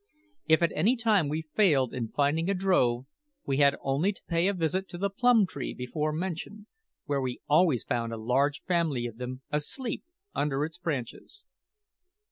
If at any time we failed in finding a drove, we had only to pay a visit to the plum tree before mentioned, where we always found a large family of them asleep under its branches.